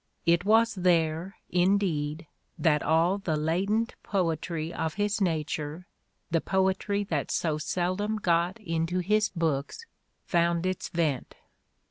It was there, indeed, that all the latent poetry of his nature, the poetry that so seldom got into his books, found its vent.